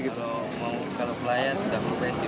kalau mau kalau pelayar sudah profesif